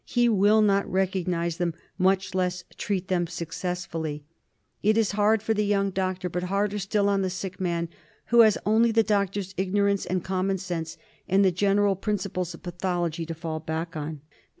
He will not recognise them, much less treat them successfully. It 226 PROBLEMS IN TROPICAL MEDICINE. is hard for the young doctor, but harder still on the sick man, who has only the doctor's ignorance and common sense, and the general principles of pathology to fall back on.